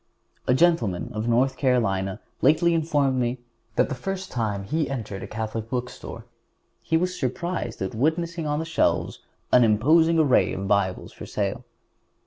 A gentleman of North Carolina lately informed me that the first time he entered a Catholic bookstore he was surprised at witnessing on the shelves an imposing array of Bibles for sale.